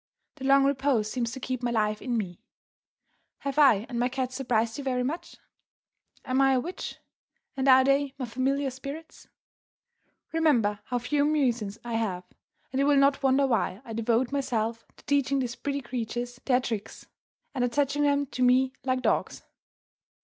The long repose seems to keep my life in me. Have I and my cats surprised you very much? Am I a witch; and are they my familiar spirits? Remember how few amusements I have, and you will not wonder why I devote myself to teaching these pretty creatures their tricks, and attaching them to me like dogs!